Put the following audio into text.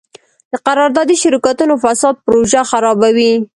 د قراردادي شرکتونو فساد پروژه خرابوي.